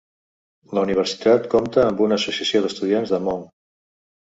La universitat compta amb una associació d'estudiants de Hmong.